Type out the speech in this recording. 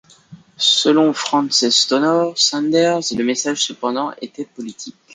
Selon Frances Stonor Saunders, le message cependant était politique.